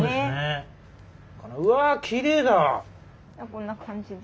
こんな感じで。